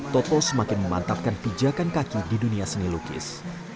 toto semakin memantapkan pijakan kaki di dunia seni lukis